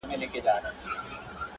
د ملا مېرمني ونيول غوږونه -